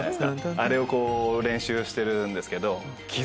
あれを練習してるんですけど。